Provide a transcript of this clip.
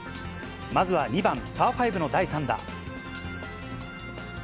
まずは２番パー５の第３打。